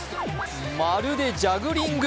まるでジャグリング。